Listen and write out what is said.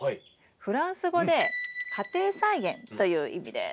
フランス語で「家庭菜園」という意味です。